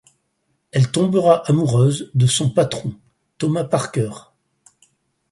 Elle tombera amoureuse de son patron, Tomas Parker.